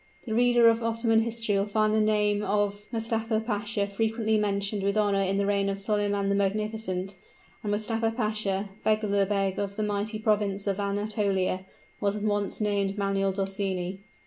The reader of Ottoman history will find the name of Mustapha Pasha frequently mentioned with honor in the reign of Solyman the Magnificent and Mustapha Pasha, beglerbeg of the mighty province of Anatolia, was once Manuel d'Orsini.